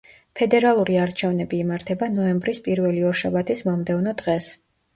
ფედერალური არჩევნები იმართება ნოემბრის პირველი ორშაბათის მომდევნო დღეს.